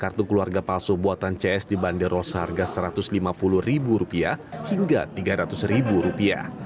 kartu keluarga palsu buatan cs dibanderol seharga rp satu ratus lima puluh hingga rp tiga ratus